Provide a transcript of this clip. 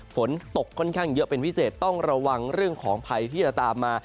ฝนตกค่อนข้างเยอะเป็นพิเศษต้องระวังเรื่องของภัยที่จะตามมา